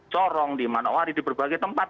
corong di manowari di berbagai tempat